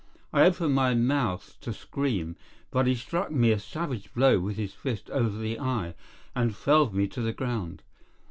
I opened my mouth to scream, but he struck me a savage blow with his fist over the eye, and felled me to the ground.